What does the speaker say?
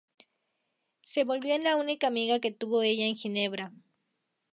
Se volvió en la única amiga que tuvo ella en Ginebra.